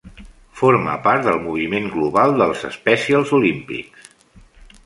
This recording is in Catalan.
Forma part del moviment global dels Special Olympics.